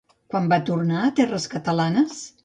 Quan va tornar a terres catalanes?